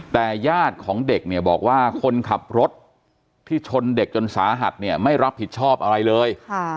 แต่ญาติของเด็กเนี่ยบอกว่าคนขับรถที่ชนเด็กจนสาหัสเนี่ยไม่รับผิดชอบอะไรเลย